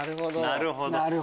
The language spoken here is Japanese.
なるほど！